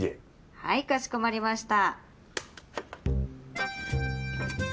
はいかしこまりました。